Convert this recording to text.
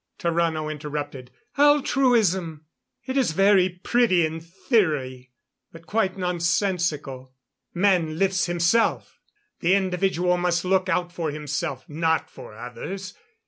Tarrano interrupted. "Altruism! It is very pretty in theory but quite nonsensical. Man lifts himself the individual must look out for himself not for others.